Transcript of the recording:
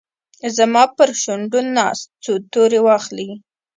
زما پرشونډو ناست، څو توري واخلې